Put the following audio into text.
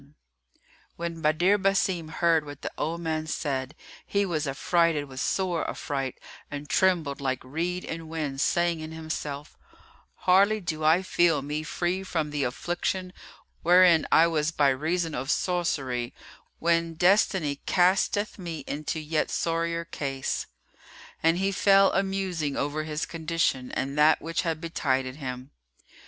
'"[FN#338] When Badr Basim heard what the old man said, he was affrighted with sore affright and trembled like reed in wind saying in himself, "Hardly do I feel me free from the affliction wherein I was by reason of sorcery, when Destiny casteth me into yet sorrier case!" And he fell amusing over his condition and that which had betided him.